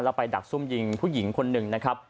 แล้วไปดักซุ่มยิงผู้หญิงคนหนึ่งนะครับ